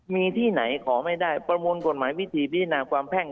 มีที่ไหนขอไม่ได้ประมวลกฎหมายวิธีพิจารณาความแพ่ง